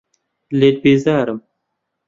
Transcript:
لێت بێزارم.